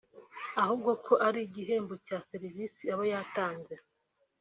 ahubwo ko ari igihembo cya serivisi aba yatanze